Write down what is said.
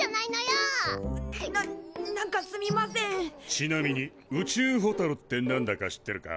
ちなみに宇宙ホタルって何だか知ってるか？